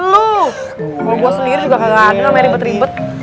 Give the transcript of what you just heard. lo kalau gue sendiri juga nggak ada yang main ribet ribet